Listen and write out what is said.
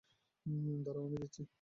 দাঁড়াও, আমি দিচ্ছি।